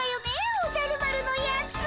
おじゃる丸のやつ。